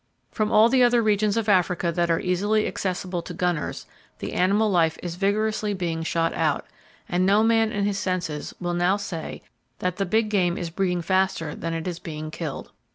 From all the other regions of Africa that are easily accessible to gunners, the animal life is vigorously being shot out, and no man in his senses will now say that the big game is breeding faster than it is being killed.